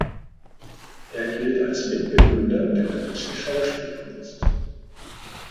Er gilt als Mitbegründer der deutschen Schauspielkunst.